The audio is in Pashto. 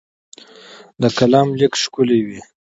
د قلم لیک ښکلی وي.